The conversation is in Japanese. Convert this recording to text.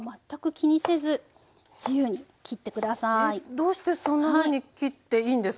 どうしてそんなふうに切っていいんですか？